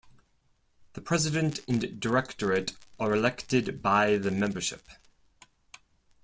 The president and directorate are elected by the membership.